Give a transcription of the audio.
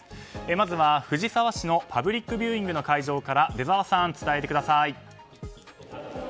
まずは、藤沢市のパブリックビューイング会場から出澤さん、伝えてください。